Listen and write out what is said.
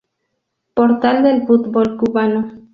Portal del Fútbol Cubano